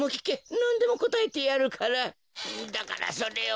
なんでもこたえてやるからだからそれを。